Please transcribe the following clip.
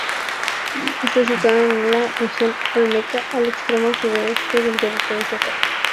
Está situado en la Región Olmeca al extremo sureste del territorio estatal.